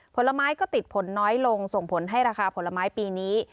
ผลไม้ก็ติดผลน้อยลงส่งผลให้ราคาผลไม้ปีนี้